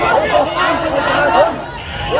เฮียเฮียเฮีย